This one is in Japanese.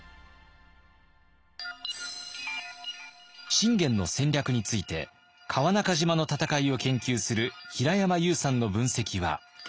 信玄の戦略について川中島の戦いを研究する平山優さんの分析は。